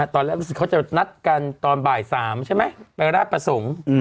ตอนแรกรู้สึกเขาจะนัดกันตอนบ่าย๓ใช่ไหมไปราชประสงค์